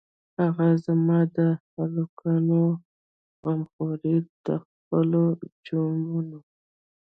هه زما د الکانو غمه خورې که د خپلو جونو.